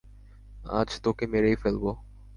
আজ তোকে মেরেই ফেলব!